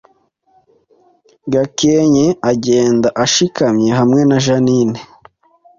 Gakenke agenda ashikamye hamwe na Jeaninne